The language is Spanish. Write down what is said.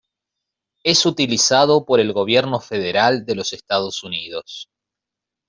Es utilizado por el gobierno federal de los Estados Unidos.